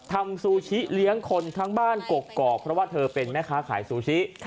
ซูชิเลี้ยงคนทั้งบ้านกกอกเพราะว่าเธอเป็นแม่ค้าขายซูชิ